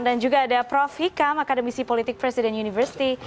dan juga ada prof hikam akademisi politik presiden universiti